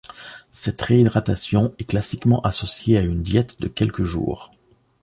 Cette réhydratation est classiquement associée à une diète de quelques jours.